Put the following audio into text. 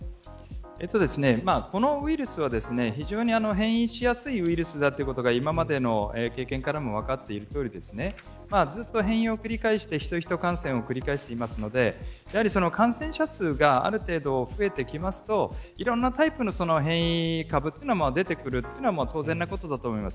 このウイルスは非常に変異しやすいウイルスだということが今までの経験からも分かっているとおりずっと変異を繰り返してヒトヒト感染を繰り返しているので感染者数がある程度増えてくるといろんなタイプの変異株というのが出てくるというのは当然のことだと思います。